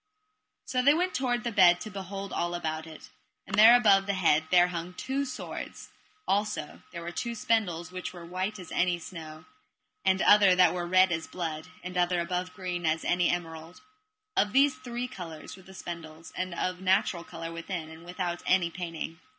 So they went toward the bed to behold all about it, and above the head there hung two swords. Also there were two spindles which were as white as any snow, and other that were as red as blood, and other above green as any emerald: of these three colours were the spindles, and of natural colour within, and without any painting.